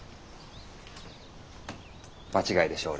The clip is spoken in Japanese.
場違いでしょ俺。